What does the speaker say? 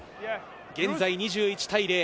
現在２１対０。